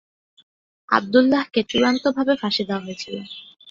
আবদুল্লাহকে চূড়ান্তভাবে ফাঁসি দেওয়া হয়েছিল।